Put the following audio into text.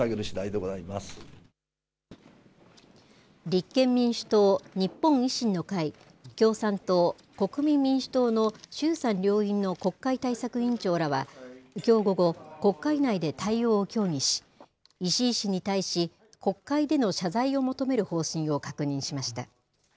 立憲民主党、日本維新の会、共産党、国民民主党の衆参両院の国会対策委員長らは、きょう午後、国会内で対応を協議し、石井氏に対し、国会での謝罪を求める方針を確認しました。